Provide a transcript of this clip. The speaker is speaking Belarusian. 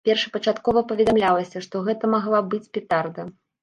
Першапачаткова паведамлялася, што гэта магла быць петарда.